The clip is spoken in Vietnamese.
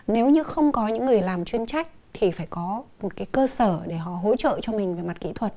nếu như không có những người làm chuyên trách thì phải có một cơ sở để họ hỗ trợ cho mình về mặt kỹ thuật